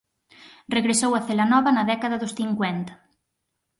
Regresou a Celanova na década dos cincuenta.